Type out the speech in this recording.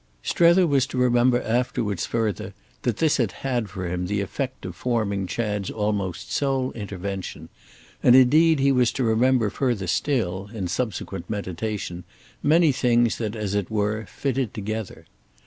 Strether was to remember afterwards further that this had had for him the effect of forming Chad's almost sole intervention; and indeed he was to remember further still, in subsequent meditation, many things that, as it were, fitted together.